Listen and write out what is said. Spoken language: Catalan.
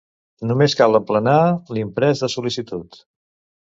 Només cal emplenar l'imprès de sol·licitud.